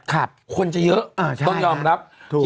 คนจะเยอะต้องยอมรับถูก